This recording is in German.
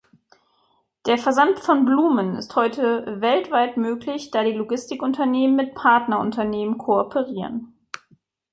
Der Versand von Blumen ist heute weltweit möglich, da die Logistikunternehmen mit Partnerunternehmen kooperieren.